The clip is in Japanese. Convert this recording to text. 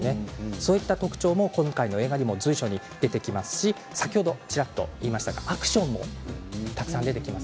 そういった特徴が今回の映画にも随所に出てきますし先ほどちらっと言いましたがアクションもたくさん出てきます。